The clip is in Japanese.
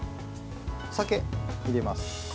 酒、入れます。